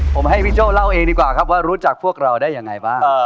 ผมให้พี่โจ้เล่าเองดีกว่าครับว่ารู้จักพวกเราได้ยังไงบ้าง